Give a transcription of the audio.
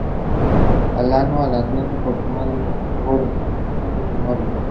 Alano, alentado por su madre, sofocó la rebelión junto con sus nobles.